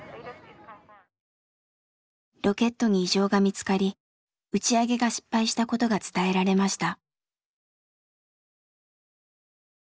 ロケットに異常が見つかり打ち上げが失敗したことが伝えられました。